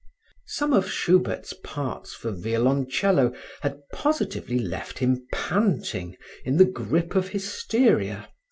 Some of Schubert's parts for violoncello had positively left him panting, in the grip of hysteria.